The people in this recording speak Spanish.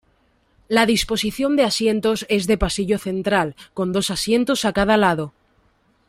La disposición de asientos es de pasillo central, con dos asientos a cada lado.